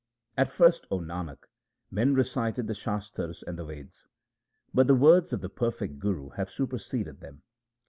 At first, O Nanak, men recited the Shastars and the Veds, but the words of the perfect Guru have superseded them.